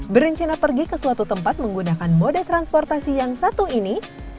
berencana pergi ke suatu tempat menggunakan moda transportasi yang satu ini